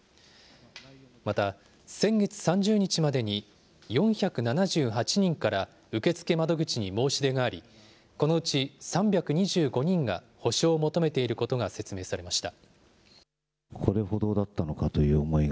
また先月３０日までに４７８人から受付窓口に申し出があり、このうち３２５人が補償を求めていることが説明されました。